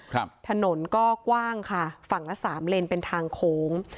ครับถนนก็กว้างค่ะฝั่งละสามเลนเป็นทางโค้ง